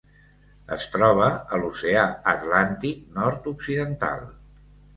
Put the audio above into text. Es troba a l'Oceà Atlàntic nord-occidental.